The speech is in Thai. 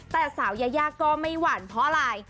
แต่สาวยายาก็ไม่หวั่นเพราะอะไร